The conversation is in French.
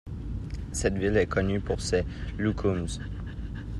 Cette ville est connue pour ses Loukoums.